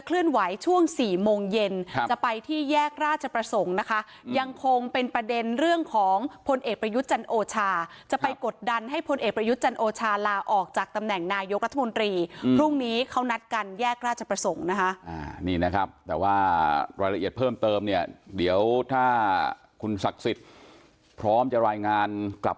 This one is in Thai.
ช่วงสี่โมงเย็นครับจะไปที่แยกราชประสงค์นะคะยังคงเป็นประเด็นเรื่องของพลเอกประยุทธ์จันโอชาจะไปกดดันให้พลเอกประยุทธ์จันโอชาลาออกจากตำแหน่งนายกรัฐมนตรีพรุ่งนี้เขานัดกันแยกราชประสงค์นะคะนี่นะครับแต่ว่ารายละเอียดเพิ่มเติมเนี่ยเดี๋ยวถ้าคุณศักดิ์สิทธิ์พร้อมจะรายงานกลับ